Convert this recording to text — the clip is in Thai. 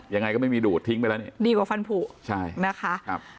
ยังไงก็ไม่มีดูดทิ้งไปแล้วนี่ดีกว่าฟันผูใช่นะคะครับ